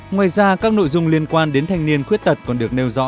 ngoài ra các nội dung liên quan đến thanh niên khuyết tật còn được nêu rõ